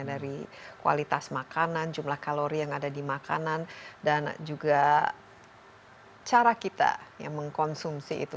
dari kualitas makanan jumlah kalori yang ada di makanan dan juga cara kita yang mengkonsumsi itu